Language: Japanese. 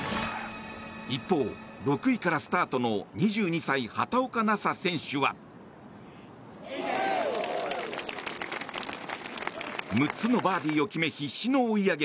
一方、６位からスタートの２２歳、畑岡奈紗選手は６つのバーディーを決め必死の追い上げ。